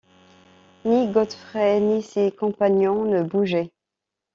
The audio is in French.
Ni Godfrey ni ses compagnons ne bougeaient.